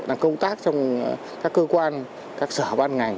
đang công tác trong các cơ quan các sở ban ngành